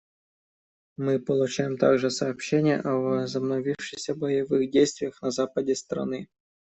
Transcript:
Мы получаем также сообщения о возобновившихся боевых действиях на западе страны.